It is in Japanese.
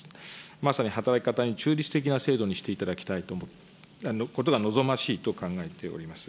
まさに働き方に中立的な制度にしていただきたいと、ことが望ましいと考えております。